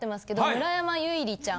村山彩希ちゃん